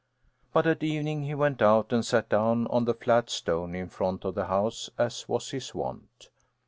But at evening he went out and sat down up on the flat stone in front of the house, as was his wont.